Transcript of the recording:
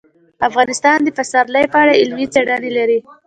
افغانستان د پسرلی په اړه علمي څېړنې لري.